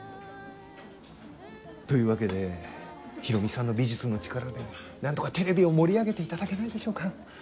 というわけでヒロミさんの美術の力でなんとかテレビを盛り上げていただけないでしょうか？